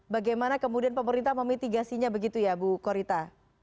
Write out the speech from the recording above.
bagaimana kemudian pemerintah memitigasinya begitu ya bu korita